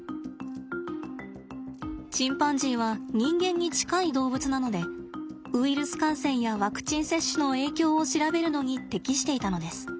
チンパンジーは人間に近い動物なのでウイルス感染やワクチン接種の影響を調べるのに適していたのです。